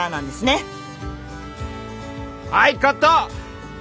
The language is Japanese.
はいカット！